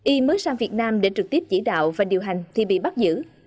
y mới sang việt nam để trực tiếp chỉ đạo và điều hành thì bị bắt giữ